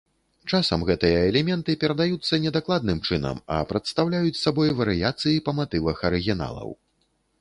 Часам гэтыя элементы перадаюцца не дакладным чынам, а прадстаўляюць сабой варыяцыі па матывах арыгіналаў.